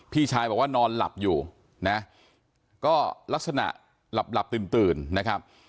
พี่ชายบอกว่านอนหลับอยู่นะก็ลักษณะหลับตื่นนะครับ